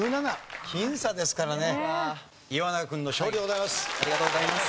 岩永君の勝利でございます。